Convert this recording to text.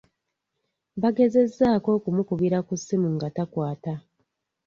Bagezesaako omukubira ku ssimu nga takwata.